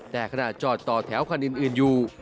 แต่ขณะจอดต่อแถวคันอื่นอยู่